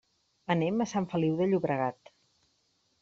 Anem a Sant Feliu de Llobregat.